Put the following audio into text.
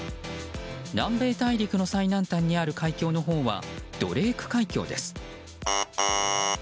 南米大陸の最南端にある海峡のほうはドレーク海峡です。